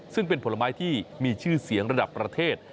ซึ่งเป็นผลไม้ที่มีชื่อเสียงระดับประเทศ